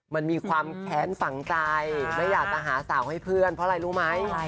มันมีความแค้นฝังใจไม่อยากจะหาสาวให้เพื่อนเพราะอะไรรู้ไหม